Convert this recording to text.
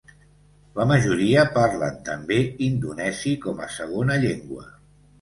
La majoria parlen també indonesi com a segona llengua.